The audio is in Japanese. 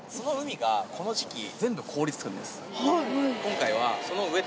はい。